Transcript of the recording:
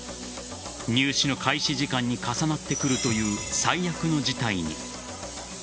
入試の開始時間に重なってくるという最悪の事態に。